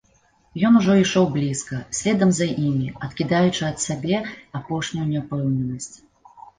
Ён ужо ішоў блізка, следам за імі, адкідаючы ад сябе апошнюю няўпэўненасць.